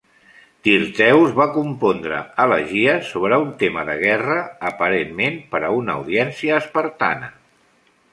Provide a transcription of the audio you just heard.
Tyrtaeus va compondre elegies sobre un tema de guerra, aparentment per a una audiència espartana.